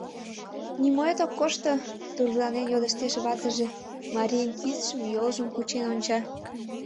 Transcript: — Нимоэт ок коршто? — тургыжланен йодыштеш ватыже, марийын кидшым, йолжым кучен онча.